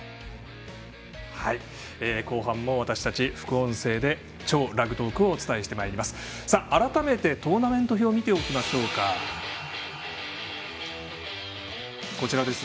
後半も私たち、副音声で「超ラグトーク」をお伝えします。